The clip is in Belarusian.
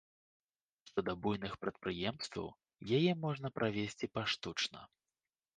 Што да буйных прадпрыемстваў, яе можна правесці паштучна.